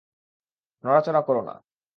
নড়াচড়া কোরো না।